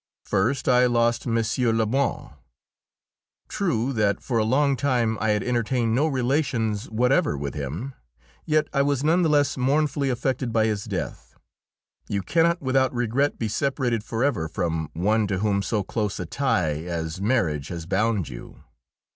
First, I lost M. Lebrun. True that for a long time I had entertained no relations whatever with him, yet I was none the less mournfully affected by his death. You cannot without regret be separated forever from one to whom so close a tie as marriage has bound you.